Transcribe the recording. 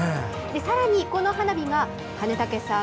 さらに、この花火が金武さん